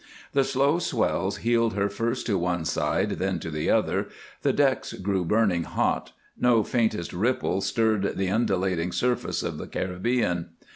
The slow swells heeled her first to one side, then to the other, the decks grew burning hot; no faintest ripple stirred the undulating surface of the Caribbean.